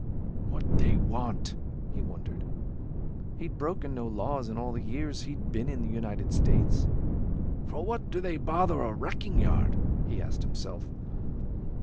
"What they want?" he wondered. He'd broken no laws in all the years he'd been in the United States. "For what do they bother a wrecking yard?" he asked himself.